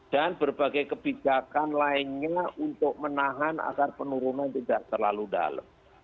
dan berbagai kebijakan lainnya untuk menahan agar penurunan tidak terlalu dalam